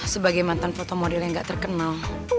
sebagai mantan foto model yang gak terkenal